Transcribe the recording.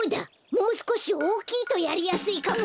もうすこしおおきいとやりやすいかも！